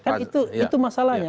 kan itu masalahnya